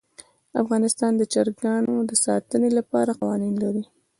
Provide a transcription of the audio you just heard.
افغانستان د چرګان د ساتنې لپاره قوانین لري.